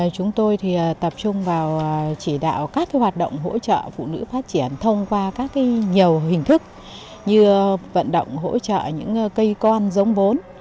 chúng tôi tập trung vào chỉ đạo các hoạt động hỗ trợ phụ nữ phát triển thông qua các nhiều hình thức như vận động hỗ trợ những cây con giống vốn